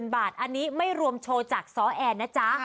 ๒๘๐๐๐๐บาทอันนี้ไม่รวมโชว์จากสแอนนะจ๊ะ